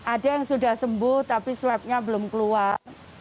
ada yang sudah sembuh tapi swabnya belum keluar